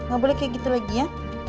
gak boleh kayak gitu lagi ya